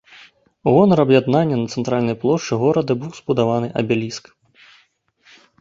У гонар аб'яднання на цэнтральнай плошчы горада быў збудаваны абеліск.